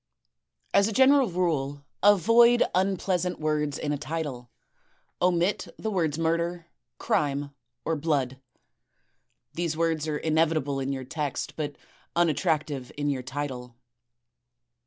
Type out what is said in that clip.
As a general rule avoid impleasant words in a title. Omit the words Murder, Crime, or Blood. These words are inevitable in your text, but unattractive in your title.